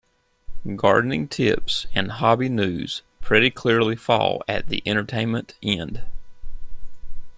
Gardening tips and hobby "news" pretty clearly fall at the entertainment end.